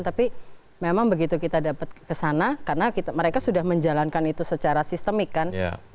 tapi memang begitu kita dapat kesana karena mereka sudah menjalankan itu secara sistemik kan